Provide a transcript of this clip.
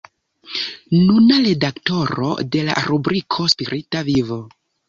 Nuna redaktoro de la rubriko Spirita Vivo.